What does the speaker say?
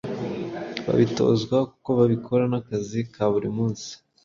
babitozwa kuko babikora nk’akazi ka buri munsi